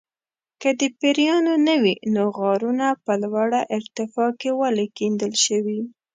که د پیریانو نه وي نو غارونه په لوړه ارتفاع کې ولې کیندل شوي.